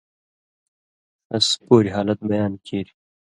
ݜس پوریۡ حالت بیان کیریۡ۔